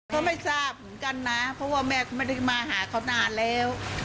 ก็ไม่ทราบเหมือนกันนะเพราะว่าแม่ก็ไม่ได้มาหาเขานานแล้ว